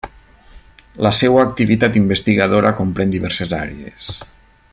La seua activitat investigadora comprén diverses àrees.